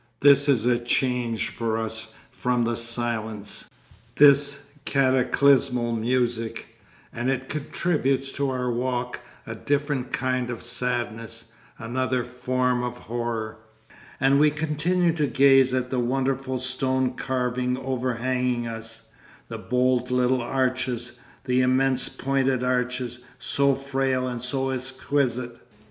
This is a change for us from the silence, this cataclysmal music, and it contributes to our walk a different kind of sadness, another form of horror. And we continue to gaze at the wonderful stone carving overhanging us the bold little arches, the immense pointed arches, so frail and so exquisite.